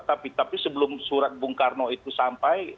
tapi sebelum surat bung karno itu sampai